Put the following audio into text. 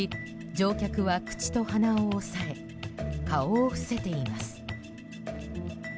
乗客は口と鼻を押さえ顔を伏せています。